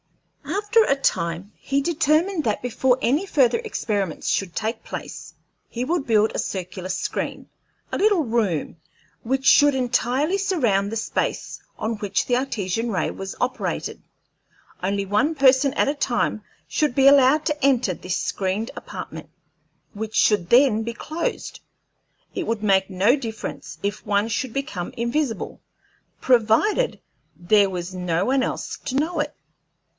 After a time he determined that before any further experiments should take place he would build a circular screen, a little room, which should entirely surround the space on which the Artesian ray was operated. Only one person at a time should be allowed to enter this screened apartment, which should then be closed. It would make no difference if one should become invisible, provided there was no one else to know it.